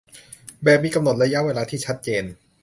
แบบมีกำหนดระยะเวลาที่ชัดเจน